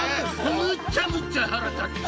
むっちゃむっちゃ腹立つ